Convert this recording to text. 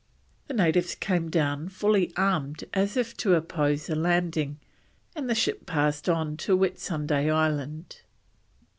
The natives came down fully armed as if to oppose a landing, and the ship passed on to Whitsunday Island.